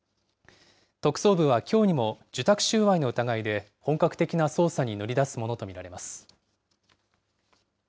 特捜部はきょうにも、受託収賄の疑いで本格的な捜査に乗り出すものと見られます。